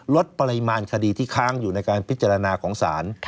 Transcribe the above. ลดปริมาณคดีที่ค้างอยู่ในการพิจารณาของศาล